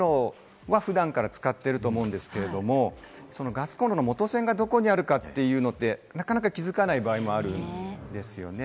ガスコンロは普段から使っていると思うんですけれども、ガスコンロの元栓がどこにあるかっていうのって、なかなか気づかない場合もあるんですよね。